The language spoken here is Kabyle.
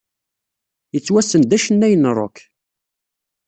Yettwassen d acennay n rock.